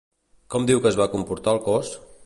Com diu que es va comportar el cos?